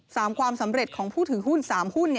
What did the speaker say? ความสำเร็จของผู้ถือหุ้นสามหุ้น